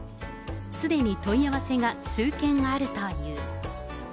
すでに問い合わせが数件あるという。